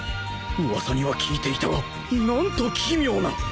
噂には聞いていたが何と奇妙な